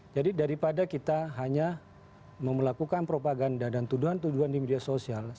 jadi daripada kita hanya memulakukan propaganda dan tuduhan tuduhan di media sosial ya